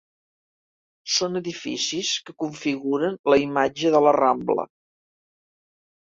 Són edificis que configuren la imatge de la rambla.